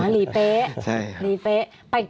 รีเบะใช่ครับ